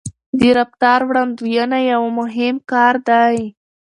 د رفتار وړاندوينه یو مهم کار دی.